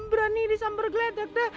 berani disambar geledek deh